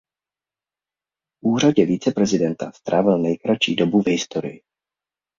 V úřadě viceprezidenta strávil nejkratší dobu v historii.